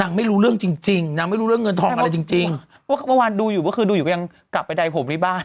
ไม่รู้เรื่องจริงจริงนางไม่รู้เรื่องเงินทองอะไรจริงจริงเพราะเมื่อวานดูอยู่ก็คือดูอยู่ก็ยังกลับไปใดผมที่บ้าน